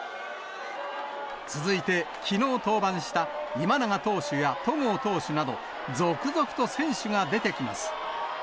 続いて、きのう登板した今永投手や戸郷投手など、続々と選手が出てきます。